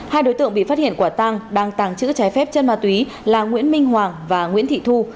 hai đối tượng bị phát hiện quả tăng đang tàng trữ trái phép chân ma túy là nguyễn minh hoàng và nguyễn thị thu